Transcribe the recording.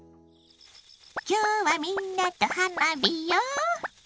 今日はみんなと花火よ。